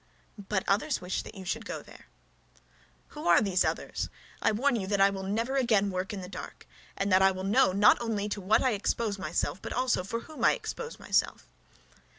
"But others wish that you should go there." "But who are those others? I warn you that I will never again work in the dark, and that I will know not only to what I expose myself, but for whom I expose myself."